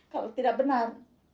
kalau tidak benar